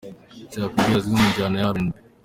Jack B: azwi mu njyana ya RnB.